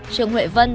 trường huệ vân